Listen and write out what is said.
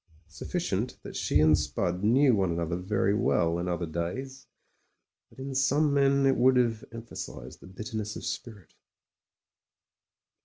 Sufficient that she and Sptid knew one another 84 MEN, WOMEN AND GUNS very well, in other days. But in some men it would have emphasised the bitterness of spirit.)